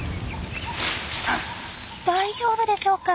大丈夫でしょうか？